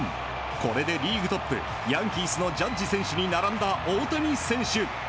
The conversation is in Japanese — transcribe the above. これでリーグトップヤンキースのジャッジ選手に並んだ大谷選手。